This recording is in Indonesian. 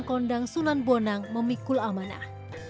kondang sunan bonang memikul amanah